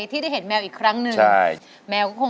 ทั้งในเรื่องของการทำงานเคยทำนานแล้วเกิดปัญหาน้อย